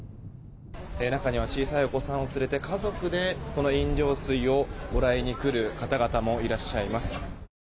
中には小さいお子さんを連れて家族で飲料水をもらいに来る方々もいらっしゃいます。